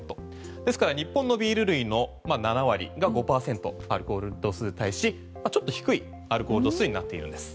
ですから日本のビール類の７割が５％アルコール度数に対しちょっと低いアルコール度数になっているんです。